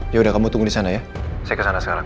yaudah kamu tunggu di sana ya saya ke sana sekarang